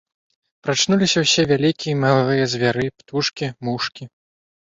Прачнуліся ўсе вялікія і малыя звяры, птушкі, мушкі.